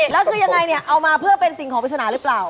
แล้วคือยังไงเนี่ยเอามาเพื่อเป็นสิ่งของปริศนาหรือเปล่า